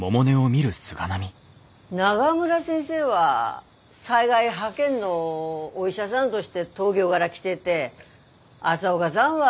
中村先生は災害派遣のお医者さんどして東京がら来てで朝岡さんは。